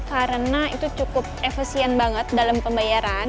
karena itu cukup efesien banget dalam pembayaran